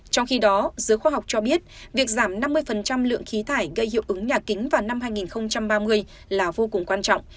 trong khi đó giới khoa học cho biết việc giảm năm mươi lượng khí thải gây hiệu ứng nhà kính vào năm hai nghìn ba mươi là vô cùng quan trọng